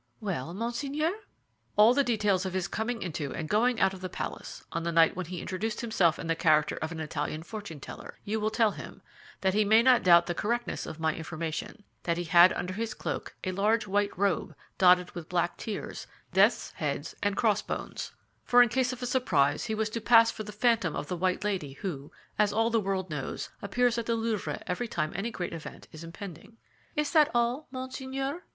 "Well, monseigneur?" "All the details of his coming into and going out of the palace—on the night when he introduced himself in the character of an Italian fortune teller—you will tell him, that he may not doubt the correctness of my information; that he had under his cloak a large white robe dotted with black tears, death's heads, and crossbones—for in case of a surprise, he was to pass for the phantom of the White Lady who, as all the world knows, appears at the Louvre every time any great event is impending." "Is that all, monseigneur?"